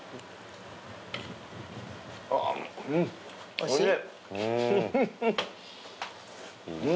おいしい。